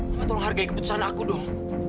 aku tolong hargai keputusan aku dong